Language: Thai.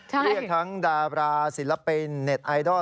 เรียกทั้งดาราศิลปินเน็ตไอดอล